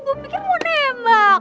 gue pikir mau nembak